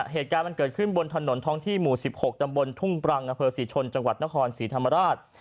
เหตุการณ์มันเกิดขึ้นบนถนนท้องที่หมู่๑๖ตำบลทุ่งปรังอำเภอศรีชนจังหวัดนครศรีธรรมราช